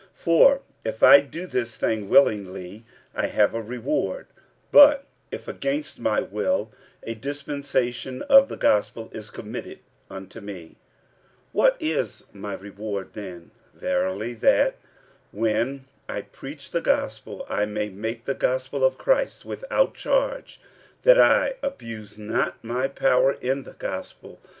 46:009:017 For if I do this thing willingly, I have a reward: but if against my will, a dispensation of the gospel is committed unto me. 46:009:018 What is my reward then? Verily that, when I preach the gospel, I may make the gospel of Christ without charge, that I abuse not my power in the gospel.